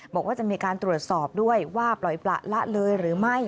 บอกว่าจะมีการตรวจสอบด้วยว่าปล่อยประละเลยหรือไม่